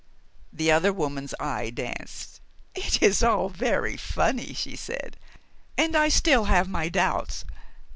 The other woman's eye danced. "It is all very funny," she said, "and I still have my doubts.